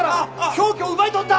凶器を奪い取った！